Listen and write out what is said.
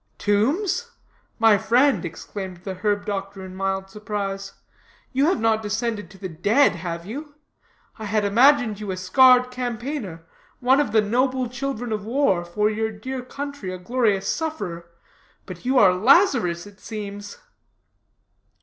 "Tombs? my friend," exclaimed the herb doctor in mild surprise. "You have not descended to the dead, have you? I had imagined you a scarred campaigner, one of the noble children of war, for your dear country a glorious sufferer. But you are Lazarus, it seems."